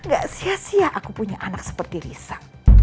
gak sia sia aku punya anak seperti risa